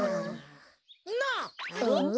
なあ。